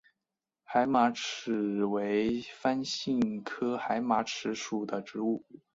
海马齿为番杏科海马齿属的植物。